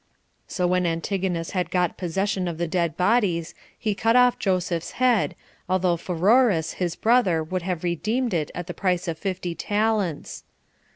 So when Antigonus had got possession of the dead bodies, he cut off Joseph's head, although Pheroras his brother would have redeemed it at the price of fifty talents.